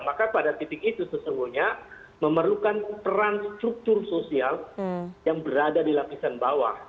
maka pada titik itu sesungguhnya memerlukan peran struktur sosial yang berada di lapisan bawah